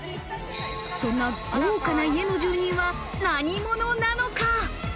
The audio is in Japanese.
そんな豪華な家の住人は何者なのか。